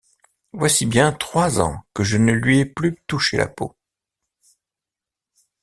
Voici bien trois ans que je ne lui ai plus touché la peau.